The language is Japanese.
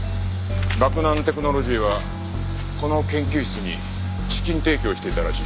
洛南テクノロジーはこの研究室に資金提供していたらしい。